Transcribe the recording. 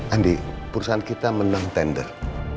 andi perusahaan kita menang tender